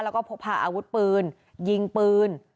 แล้วก็พกพาอาวุธปืนยิงปืน